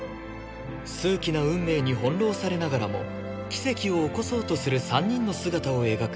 数奇な運命にほんろうされながらも奇跡を起こそうとする３人の姿を描く